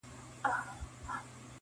• خو بڼه يې بدله سوې ده..